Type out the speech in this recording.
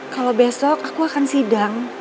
kalau besok aku akan sidang